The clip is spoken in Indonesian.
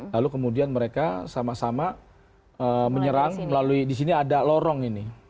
lalu kemudian mereka sama sama menyerang melalui di sini ada lorong ini